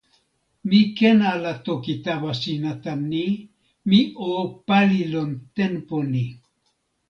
mi ken ala toki tawa sina tan ni: mi o pali lon tenpo ni.